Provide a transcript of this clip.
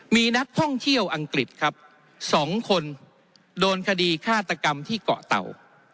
มีนักท่องเที่ยวอังกฤษครับ๒คนโดนคดีฆาตกรรมที่เกาะเตา